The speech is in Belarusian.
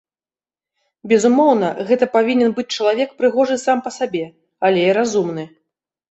Безумоўна, гэта павінен быць чалавек прыгожы сам па сабе, але і разумны.